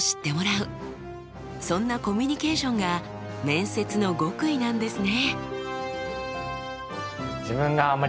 そんなコミュニケーションが面接の極意なんですね。